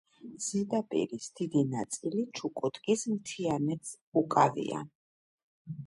ზედაპირის დიდი ნაწილი ჩუკოტკის მთიანეთს უკავია.